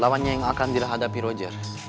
lawannya yang akan dilah hadapi roger